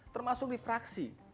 termasuk di fraksi